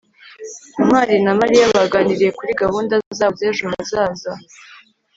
ntwali na mariya baganiriye kuri gahunda zabo z'ejo hazaza